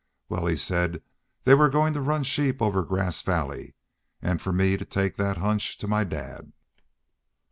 Well, he said they were goin' to run sheep over Grass Valley, an' for me to take that hunch to my dad."